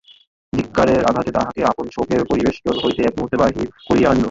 ধিক্কারের আঘাতে তাহাকে আপন শোকের পরিবেষ্টন হইতে এক মুহূর্তে বাহির করিয়া আনিল।